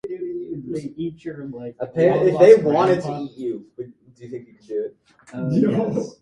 The Washington area has many venues large and small for music performances.